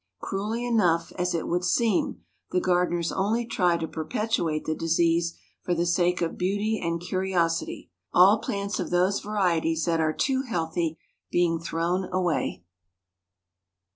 Cruelly enough, as it would seem, the gardeners only try to perpetuate the disease for the sake of beauty and curiosity, all plants of those varieties that are too healthy being thrown away.